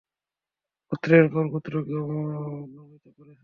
গোত্রের পর গোত্রকে অবনমিত করছেন।